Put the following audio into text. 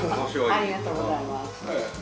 ありがとうございます。